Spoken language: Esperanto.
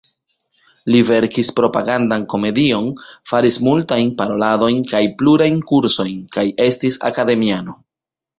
Li verkis propagandan komedion, faris multajn paroladojn kaj plurajn kursojn, kaj estis akademiano.